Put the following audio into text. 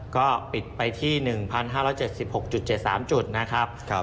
ก็ปิดไปที่๑๕๗๖๗๓จุดนะครับ